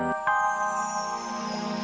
gak ada yang peduli